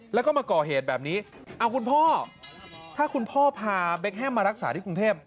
แล้วก็มาก่อเหตุแบบนี้เอาคุณพ่อถ้าคุณพ่อพาเบคแฮมมารักษาที่กรุงเทพ